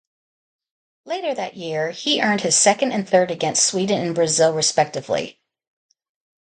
Later that year, he earned his second and third against Sweden and Brazil respectively.